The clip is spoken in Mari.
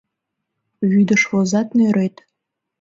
Вӱдыш возат — нӧрет